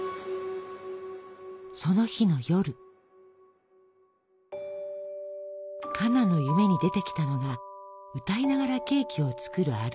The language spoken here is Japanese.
その日の夜カナの夢に出てきたのが歌いながらケーキを作るアルベール。